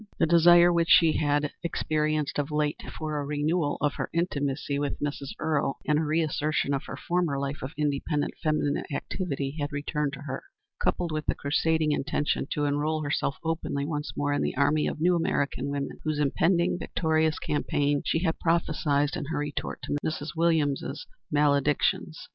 The desire which she had experienced of late for a renewal of her intimacy with Mrs. Earle and a reassertion of her former life of independent feminine activity had returned to her, coupled with the crusading intention to enroll herself openly once more in the army of new American women, whose impending victorious campaign she had prophesied in her retort to Mrs. Williams's maledictions.